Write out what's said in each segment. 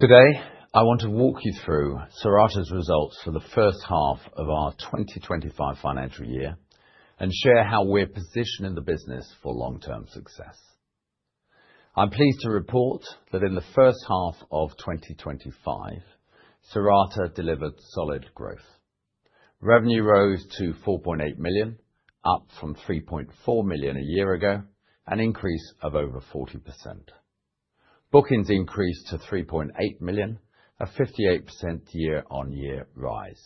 Today, I want to walk you through Cirata's Results for the First Half of our 2025 Financial Year and share how we're positioning the business for long-term success. I'm pleased to report that in the first half of 2025, Cirata delivered solid growth. Revenue rose to $4.8 million, up from $3.4 million a year ago, an increase of over 40%. Bookings increased to $3.8 million, a 58% year-on-year rise.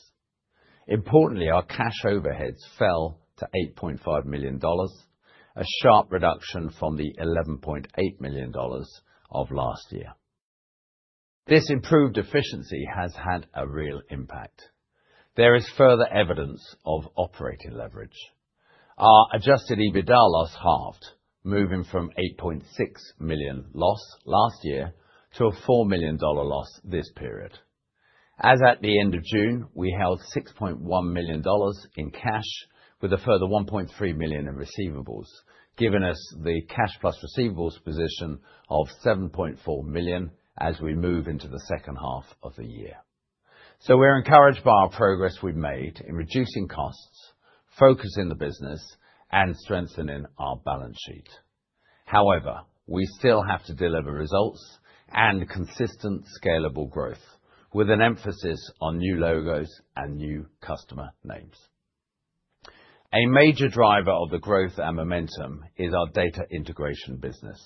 Importantly, our cash overheads fell to $8.5 million, a sharp reduction from the $11.8 million of last year. This improved efficiency has had a real impact. There is further evidence of operating leverage. Our Adjusted EBITDA loss halved, moving from $8.6 million loss last year to a $4 million loss this period. As at the end of June, we held $6.1 million in cash, with a further $1.3 million in receivables, giving us the cash plus receivables position of $7.4 million as we move into the second half of the year. So we're encouraged by our progress we've made in reducing costs, focusing the business, and strengthening our balance sheet. However, we still have to deliver results and consistent, scalable growth, with an emphasis on new logos and new customer names. A major driver of the growth and momentum is our data integration business,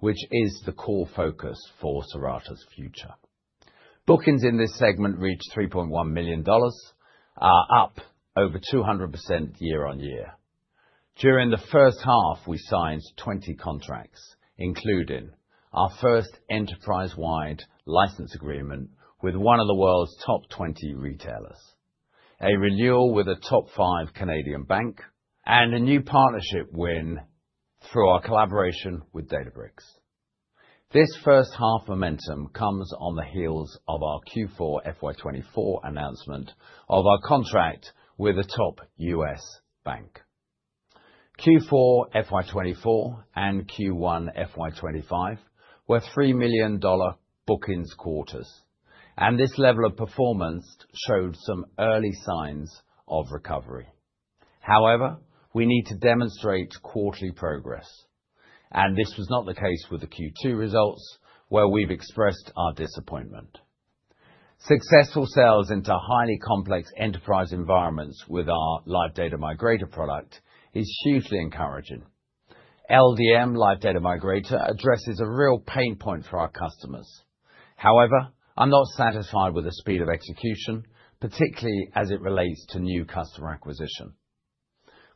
which is the core focus for Cirata's future. Bookings in this segment reached $3.1 million, up over 200% year-on-year. During the first half, we signed 20 contracts, including our first enterprise-wide license agreement with one of the world's top 20 retailers, a renewal with a top five Canadian bank, and a new partnership win through our collaboration with Databricks. This first half momentum comes on the heels of our Q4 FY 2024 announcement of our contract with a top US bank. Q4 FY 2024 and Q1 FY 2025 were $3 million bookings quarters, and this level of performance showed some early signs of recovery. However, we need to demonstrate quarterly progress, and this was not the case with the Q2 results, where we've expressed our disappointment. Successful sales into highly complex enterprise environments with our Live Data Migrator product is hugely encouraging. LDM Live Data Migrator addresses a real pain point for our customers. However, I'm not satisfied with the speed of execution, particularly as it relates to new customer acquisition.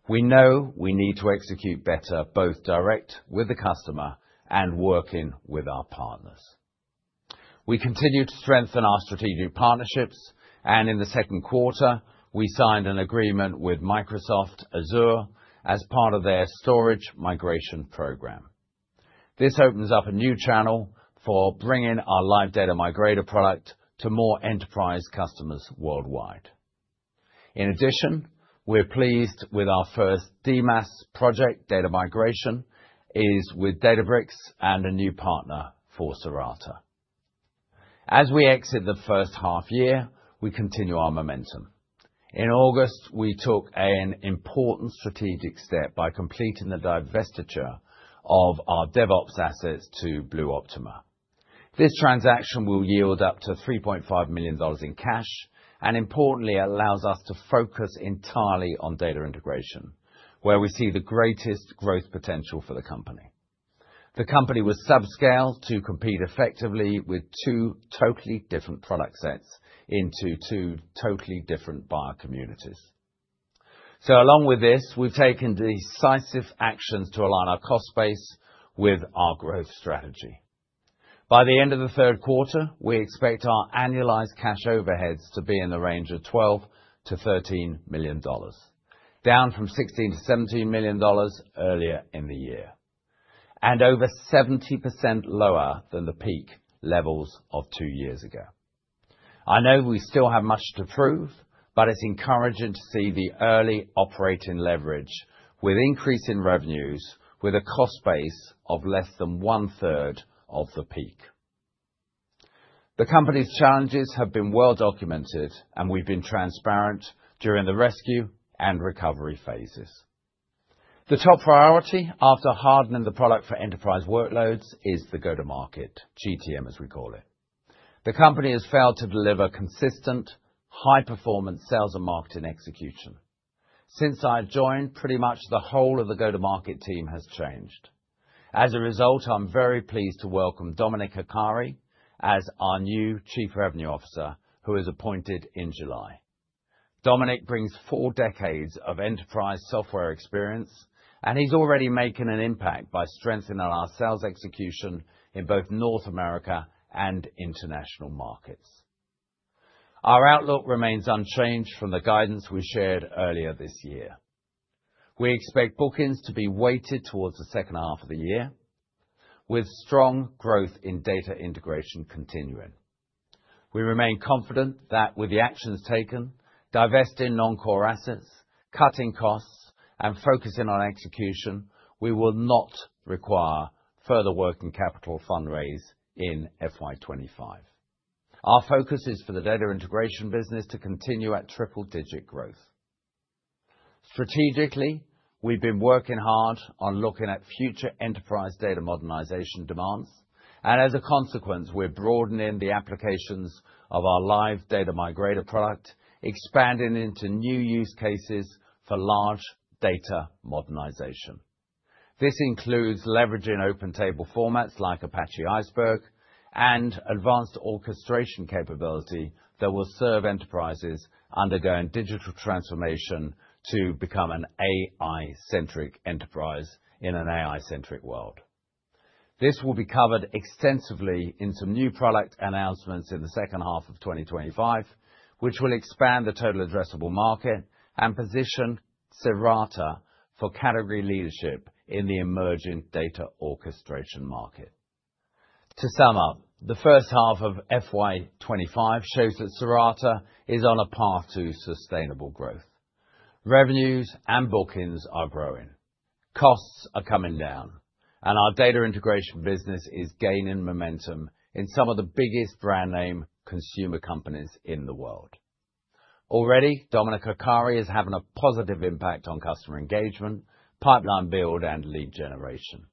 We know we need to execute better both direct with the customer and working with our partners. We continue to strengthen our strategic partnerships, and in the second quarter, we signed an agreement with Microsoft Azure as part of their storage migration program. This opens up a new channel for bringing our Live Data Migrator product to more enterprise customers worldwide. In addition, we're pleased with our first DMaaS project. Data migration is with Databricks and a new partner for Cirata. As we exit the first half year, we continue our momentum. In August, we took an important strategic step by completing the divestiture of our DevOps assets to BlueOptima. This transaction will yield up to $3.5 million in cash and, importantly, allows us to focus entirely on data integration, where we see the greatest growth potential for the company. The company was subscaled to compete effectively with two totally different product sets into two totally different buyer communities, so along with this, we've taken decisive actions to align our cost base with our growth strategy. By the end of the third quarter, we expect our annualized cash overheads to be in the range of $12 million-$13 million, down from $16 million-$17 million earlier in the year, and over 70% lower than the peak levels of two years ago. I know we still have much to prove, but it's encouraging to see the early operating leverage with increasing revenues with a cost base of less than one-third of the peak. The company's challenges have been well documented, and we've been transparent during the rescue and recovery phases. The top priority after hardening the product for enterprise workloads is the go-to-market, GTM as we call it. The company has failed to deliver consistent, high-performance sales and marketing execution. Since I joined, pretty much the whole of the go-to-market team has changed. As a result, I'm very pleased to welcome Dominic Arcari as our new Chief Revenue Officer, who is appointed in July. Dominic brings four decades of enterprise software experience, and he's already making an impact by strengthening our sales execution in both North America and international markets. Our outlook remains unchanged from the guidance we shared earlier this year. We expect bookings to be weighted towards the second half of the year, with strong growth in data integration continuing. We remain confident that with the actions taken, divesting non-core assets, cutting costs, and focusing on execution, we will not require further working capital fundraise in FY 2025. Our focus is for the data integration business to continue at triple-digit growth. Strategically, we've been working hard on looking at future enterprise data modernization demands, and as a consequence, we're broadening the applications of our Live Data Migrator product, expanding into new use cases for large data modernization. This includes leveraging open table formats like Apache Iceberg and advanced orchestration capability that will serve enterprises undergoing digital transformation to become an AI-centric enterprise in an AI-centric world. This will be covered extensively in some new product announcements in the second half of 2025, which will expand the total addressable market and position Cirata for category leadership in the emerging data orchestration market. To sum up, the first half of FY 2025 shows that Cirata is on a path to sustainable growth. Revenues and bookings are growing, costs are coming down, and our data integration business is gaining momentum in some of the biggest brand name consumer companies in the world. Already, Dominic Arcari is having a positive impact on customer engagement, pipeline build, and lead generation.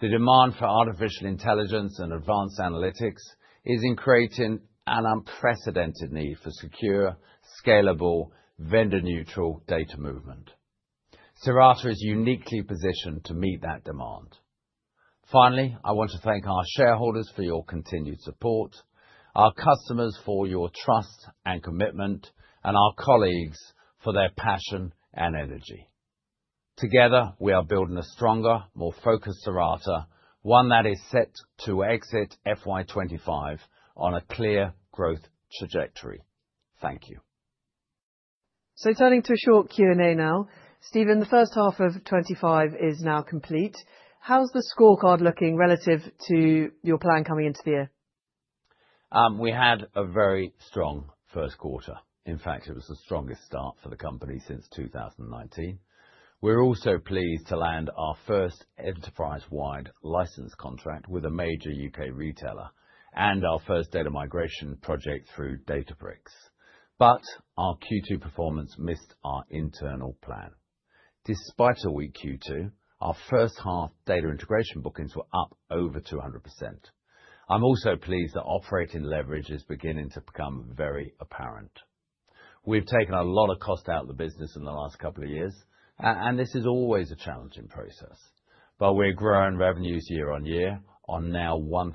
The demand for artificial intelligence and advanced analytics is creating an unprecedented need for secure, scalable, vendor-neutral data movement. Cirata is uniquely positioned to meet that demand. Finally, I want to thank our shareholders for your continued support, our customers for your trust and commitment, and our colleagues for their passion and energy. Together, we are building a stronger, more focused Cirata, one that is set to exit FY 2025 on a clear growth trajectory. Thank you. So turning to a short Q&A now, Stephen, the first half of 2025 is now complete. How's the scorecard looking relative to your plan coming into the year? We had a very strong first quarter. In fact, it was the strongest start for the company since 2019. We're also pleased to land our first enterprise-wide license contract with a major U.K. retailer and our first data migration project through Databricks. But our Q2 performance missed our internal plan. Despite a weak Q2, our first half data integration bookings were up over 200%. I'm also pleased that operating leverage is beginning to become very apparent. We've taken a lot of cost out of the business in the last couple of years, and this is always a challenging process. But we're growing revenues year-on-year on now 1/3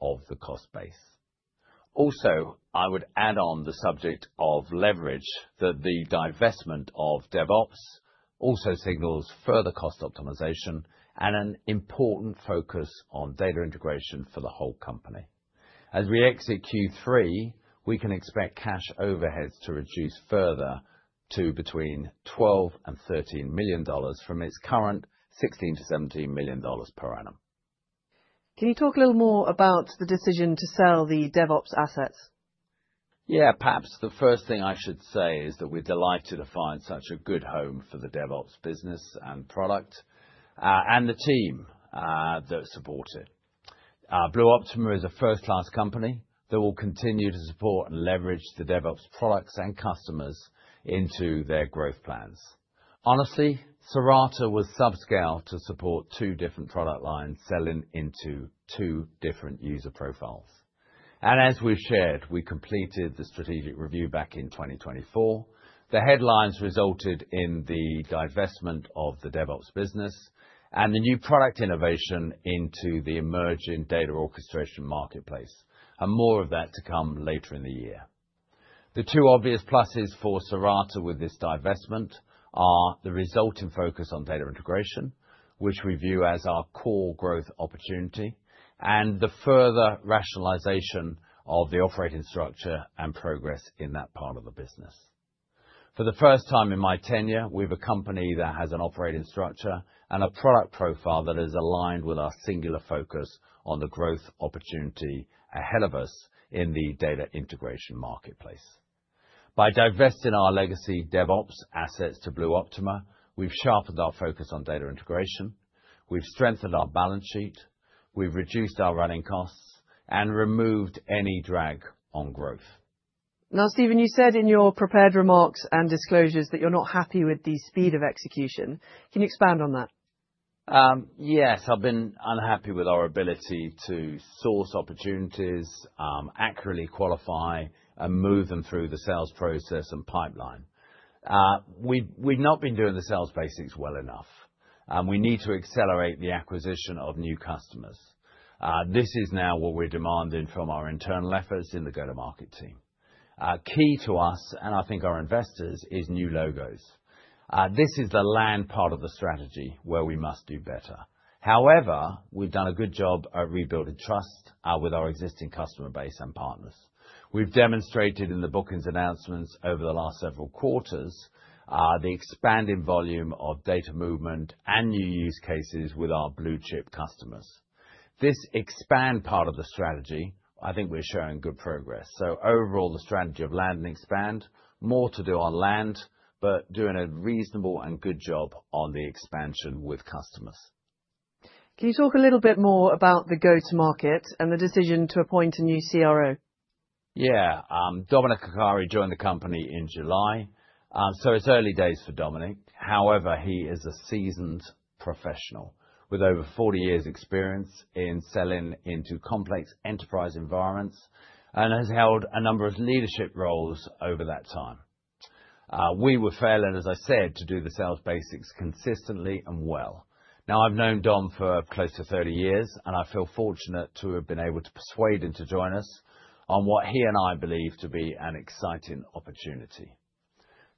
of the cost base. Also, I would add on the subject of leverage that the divestment of DevOps also signals further cost optimization and an important focus on data integration for the whole company. As we exit Q3, we can expect cash overheads to reduce further to between $12 million and $13 million from its current $16 million-$17 million per annum. Can you talk a little more about the decision to sell the DevOps assets? Yeah, perhaps the first thing I should say is that we're delighted to find such a good home for the DevOps business and product and the team that support it. BlueOptima is a first-class company that will continue to support and leverage the DevOps products and customers into their growth plans. Honestly, Cirata was subscaled to support two different product lines selling into two different user profiles. And as we've shared, we completed the strategic review back in 2024. The headlines resulted in the divestment of the DevOps business and the new product innovation into the emerging data orchestration marketplace, and more of that to come later in the year. The two obvious pluses for Cirata with this divestment are the resulting focus on data integration, which we view as our core growth opportunity, and the further rationalization of the operating structure and progress in that part of the business. For the first time in my tenure, we've a company that has an operating structure and a product profile that is aligned with our singular focus on the growth opportunity ahead of us in the data integration marketplace. By divesting our legacy DevOps assets to BlueOptima, we've sharpened our focus on data integration, we've strengthened our balance sheet, we've reduced our running costs, and removed any drag on growth. Now, Stephen, you said in your prepared remarks and disclosures that you're not happy with the speed of execution. Can you expand on that? Yes, I've been unhappy with our ability to source opportunities, accurately qualify, and move them through the sales process and pipeline. We've not been doing the sales basics well enough, and we need to accelerate the acquisition of new customers. This is now what we're demanding from our internal efforts in the go-to-market team. Key to us, and I think our investors, is new logos. This is the land part of the strategy where we must do better. However, we've done a good job at rebuilding trust with our existing customer base and partners. We've demonstrated in the bookings announcements over the last several quarters the expanding volume of data movement and new use cases with our blue chip customers. This expand part of the strategy, I think we're showing good progress. So overall, the strategy of land and expand, more to do on land, but doing a reasonable and good job on the expansion with customers. Can you talk a little bit more about the go-to-market and the decision to appoint a new CRO? Yeah, Dominic Arcari joined the company in July. So it's early days for Dominic. However, he is a seasoned professional with over 40 years' experience in selling into complex enterprise environments and has held a number of leadership roles over that time. We were failing, as I said, to do the sales basics consistently and well. Now, I've known Dom for close to 30 years, and I feel fortunate to have been able to persuade him to join us on what he and I believe to be an exciting opportunity.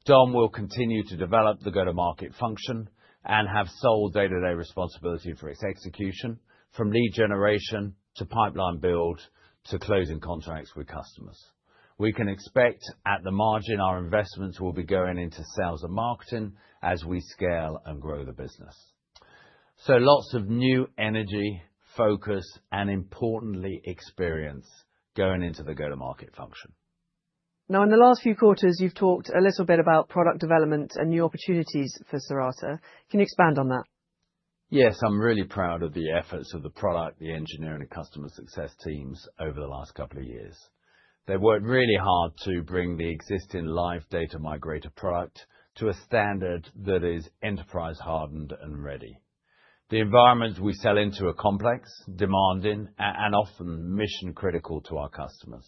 Dom will continue to develop the go-to-market function and have sole day-to-day responsibility for its execution, from lead generation to pipeline build to closing contracts with customers. We can expect at the margin our investments will be going into sales and marketing as we scale and grow the business. So lots of new energy, focus, and importantly, experience going into the go-to-market function. Now, in the last few quarters, you've talked a little bit about product development and new opportunities for Cirata. Can you expand on that? Yes, I'm really proud of the efforts of the product, the engineering, and customer success teams over the last couple of years. They've worked really hard to bring the existing Live Data Migrator product to a standard that is enterprise-hardened and ready. The environment we sell into is complex, demanding, and often mission-critical to our customers.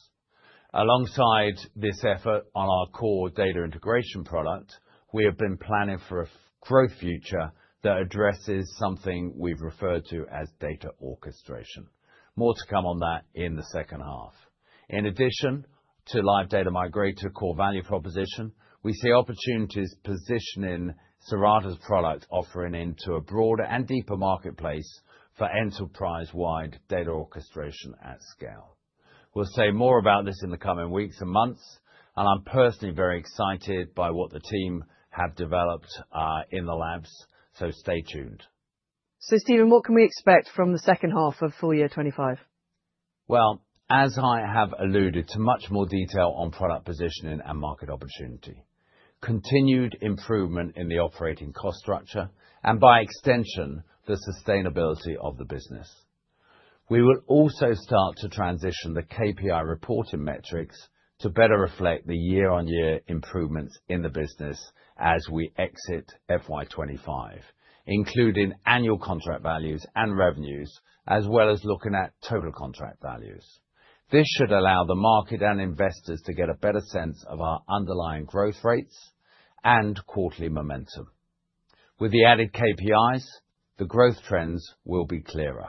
Alongside this effort on our core data integration product, we have been planning for a growth future that addresses something we've referred to as data orchestration. More to come on that in the second half. In addition to Live Data Migrator core value proposition, we see opportunities positioning Cirata's product offering into a broader and deeper marketplace for enterprise-wide data orchestration at scale. We'll say more about this in the coming weeks and months, and I'm personally very excited by what the team have developed in the labs. So stay tuned. So Stephen, what can we expect from the second half of full year 2025? As I have alluded to, much more detail on product positioning and market opportunity, continued improvement in the operating cost structure, and by extension, the sustainability of the business. We will also start to transition the KPI reporting metrics to better reflect the year-on-year improvements in the business as we exit FY 2025, including annual contract values and revenues, as well as looking at total contract values. This should allow the market and investors to get a better sense of our underlying growth rates and quarterly momentum. With the added KPIs, the growth trends will be clearer.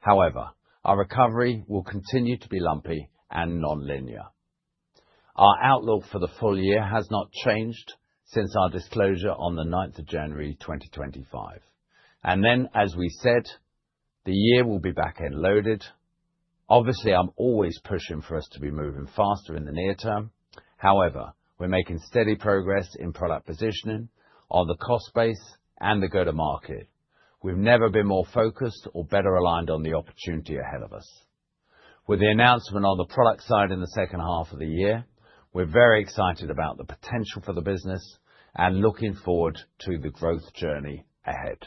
However, our recovery will continue to be lumpy and non-linear. Our outlook for the full year has not changed since our disclosure on the 9th of January, 2025. As we said, the year will be backend loaded. Obviously, I'm always pushing for us to be moving faster in the near term. However, we're making steady progress in product positioning on the cost base and the go-to-market. We've never been more focused or better aligned on the opportunity ahead of us. With the announcement on the product side in the second half of the year, we're very excited about the potential for the business and looking forward to the growth journey ahead.